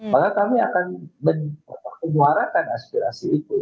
maka kami akan menyuarakan aspirasi itu